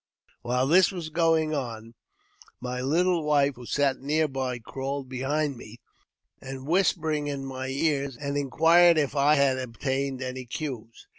While this was going on, my little wife, who sat near by crawled behind me, and, whispering in my ear, inquired if had obtained any coos.